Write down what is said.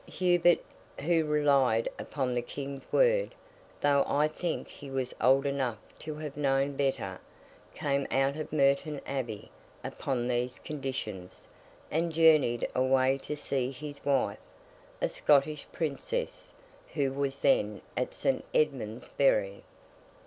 Hubert, who relied upon the King's word, though I think he was old enough to have known better, came out of Merton Abbey upon these conditions, and journeyed away to see his wife: a Scottish Princess who was then at St. Edmund's Bury.